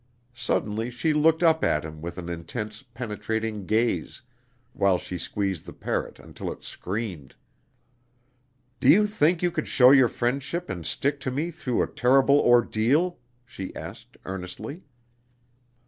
Suddenly she looked up at him with an intense penetrating gaze, while she squeezed the parrot until it screamed. "Do you think you could show your friendship and stick to me through a terrible ordeal?" she asked earnestly.